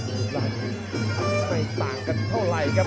ไม่ใกล้เท่ากันเท่าไหร่ครับ